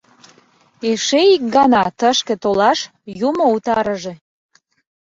Эше ик гана тышке толаш — юмо утарыже.